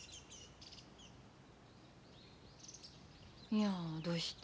いやどうして？